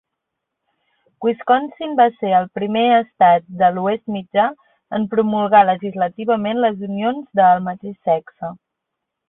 Wisconsin va ser el primer estat de l'Oest Mitjà en promulgar legislativament les unions de el mateix sexe.